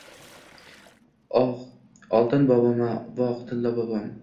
Oh, oltin bobom-a, voh tillo bobom…